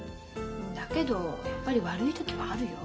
だけどやっぱり悪い時はあるよ。